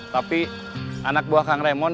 tapi anak buah kang remon